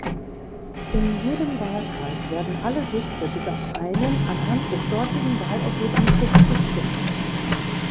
In jedem Wahlkreis werden alle Sitze bis auf einen anhand des dortigen Wahlergebnisses bestimmt.